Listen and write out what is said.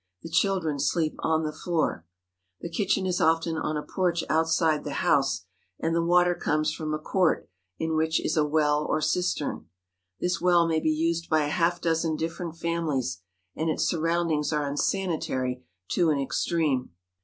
The children sleep on the floor. The kitchen is often on a porch outside the house, and the water comes from a court in which is a well or cistern. This well may be used by a half dozen different families, and its surround ings are unsanitary to an extreme.